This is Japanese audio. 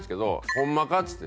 「ホンマか？」っつって。